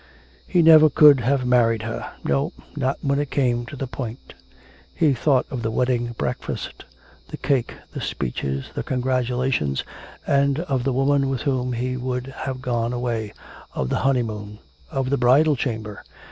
He never could have married her no, not when it came to the point. He thought of the wedding breakfast, the cake, the speeches, the congratulations, and of the woman with whom he would have gone away, of the honeymoon, of the bridal chamber!